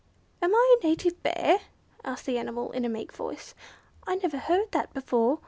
"Am I a native Bear?" asked the animal in a meek voice. "I never heard that before.